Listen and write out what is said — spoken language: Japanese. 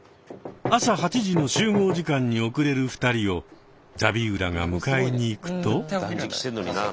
朝８時の集合時間に遅れる２人をザビウラが迎えに行くと。